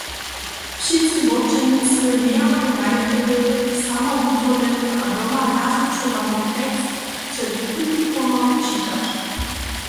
Wšitcy wobdźělnicy mějachu najprjedy samo wuzwoleny a doma nazwučowany tekst před publikumom čitać.